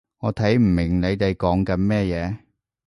我睇唔明你哋講緊乜嘢